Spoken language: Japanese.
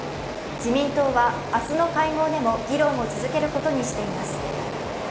自民党は明日の会合でも議論を続けることにしています。